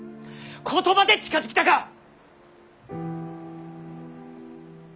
言葉で近づきたか。